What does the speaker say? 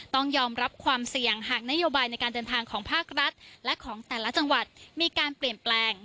ต้องยอมรับความเสี่ยงหากนโยบายในการเดินทางของภาครัฐและของแต่ละจังหวัดมีการเปลี่ยนแปลง